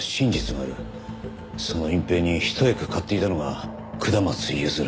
その隠蔽に一役買っていたのが下松譲。